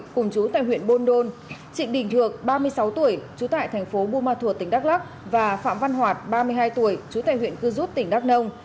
cùng chú tại huyện bôn đôn trịnh đình thược ba mươi sáu tuổi chú tại tp bumatua tỉnh đắk lắc và phạm văn hoạt ba mươi hai tuổi chú tại huyện cư rút tỉnh đắk nông